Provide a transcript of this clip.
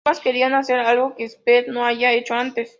Ambas querían hacer algo que Spears no haya hecho antes.